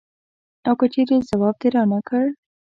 او که چېرې ځواب دې رانه کړ.